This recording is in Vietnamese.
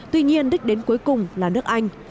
tuy nhiên đích đến cuối cùng là nước anh